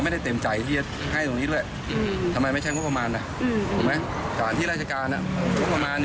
ได้ไปเดินตรวจสอน